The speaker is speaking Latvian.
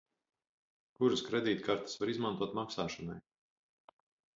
Kuras kredītkartes var izmantot maksāšanai?